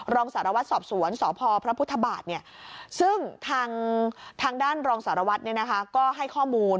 รองสารวัตรสอบสวนสพพระพุทธบาทซึ่งทางด้านรองสารวัตรก็ให้ข้อมูล